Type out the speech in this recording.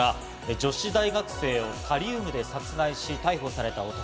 女子大学生をタリウムで殺害し、逮捕された男。